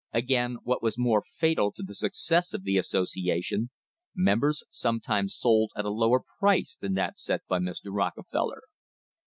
Again, what was more fatal to the success of the association, members sometimes sold at a lower price than that set by Mr. Rockefeller.